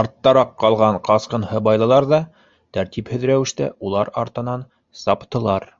Арттараҡ ҡалған ҡасҡын һыбайлылар ҙа тәртипһеҙ рәүештә улар артынан саптылар.